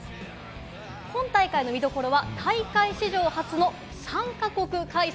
今大会の見どころは大会史上初の３か国開催。